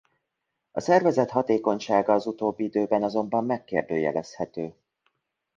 A szervezet hatékonysága az utóbbi időben azonban megkérdőjelezhető.